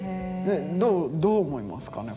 どう思いますかね？